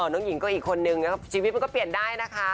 น้องหญิงก็อีกคนนึงนะครับชีวิตมันก็เปลี่ยนได้นะคะ